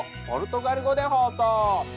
ポルトガル語で放送。